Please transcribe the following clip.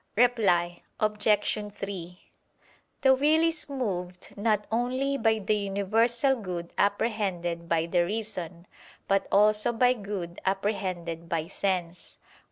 Reply Obj. 3: The will is moved not only by the universal good apprehended by the reason, but also by good apprehended by sense.